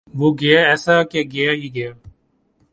وہ گیا ایسا کی گیا ہی گیا